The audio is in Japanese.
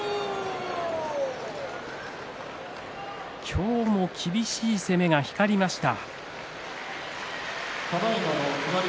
今日も厳しい攻めが光りました。